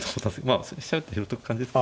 まあ飛車打って拾っとく感じですか。